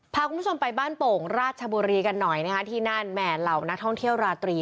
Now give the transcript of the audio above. พาคุณผู้ชมไปบ้านโป่งราชบุรีกันหน่อยนะคะที่นั่นแหม่เหล่านักท่องเที่ยวราตรี